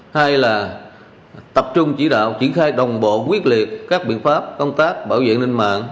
hai là tập trung chỉ đạo triển khai đồng bộ quyết liệt các biện pháp công tác bảo vệ an ninh mạng